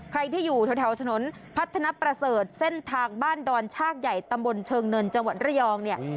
ใครที่อยู่แถวถนนพัฒนประเสริฐเส้นทางบ้านดอนชากใหญ่ตำบลเชิงเนินจังหวัดระยองเนี่ย